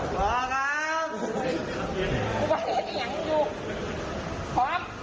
พร้อมบ้างกับ